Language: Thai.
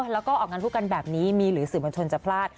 แล้วก็ออกงานพูดกันแบบนี้มีหรือสื่อมวลชนจะพลาด